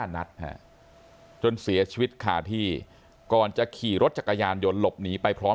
นัดจนเสียชีวิตคาที่ก่อนจะขี่รถจักรยานยนต์หลบหนีไปพร้อม